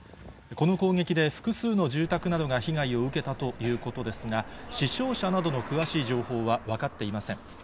この攻撃で、複数の住宅などが被害を受けたということですが、死傷者などの詳しい情報は分かっていません。